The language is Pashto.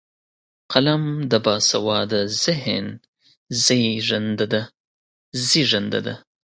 قلم د باسواده ذهن زیږنده ده